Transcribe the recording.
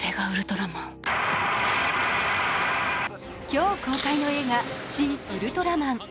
今日公開の映画「シン・ウルトラマン」。